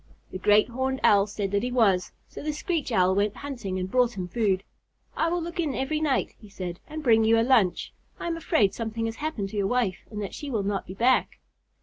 The Great Horned Owl said that he was, so the Screech Owl went hunting and brought him food. "I will look in every night," he said, "and bring you a lunch. I'm afraid something has happened to your wife and that she will not be back."